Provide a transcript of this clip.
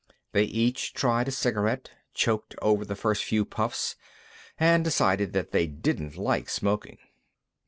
They each tried a cigarette, choked over the first few puffs, and decided that they didn't like smoking.